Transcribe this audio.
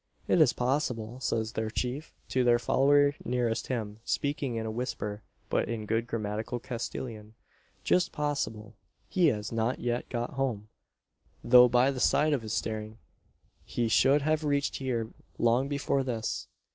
"It is possible," says their chief to the follower nearest him speaking in a whisper, but in good grammatical Castilian, "just possible he has not yet got home; though by the time of his starting he should have reached here long before this.